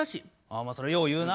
あまあそれよう言うな。